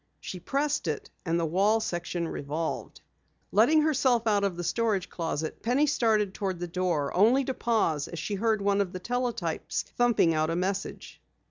She pressed it, and the wall section revolved. Letting herself out of the storage closet, Penny started toward the door, only to pause as she heard one of the teletypes thumping out a message.